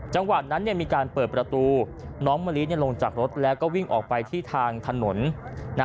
จังหวะนั้นเนี่ยมีการเปิดประตูน้องมะลิลงจากรถแล้วก็วิ่งออกไปที่ทางถนนนะ